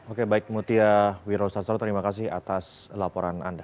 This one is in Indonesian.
oke baik mutia wirosastro terima kasih atas laporan anda